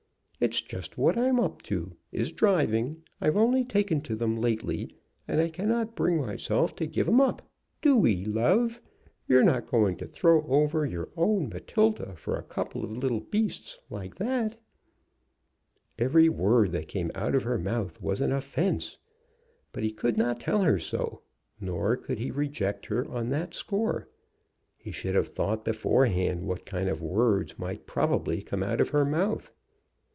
It's just what I'm up to is driving. I've only taken to them lately, and I cannot bring myself to give 'em up. Do'ee love. You're not going to throw over your own Matilda for a couple of little beasts like that!" Every word that came out of her mouth was an offence. But he could not tell her so; nor could he reject her on that score. He should have thought beforehand what kind of words might probably come out of her mouth.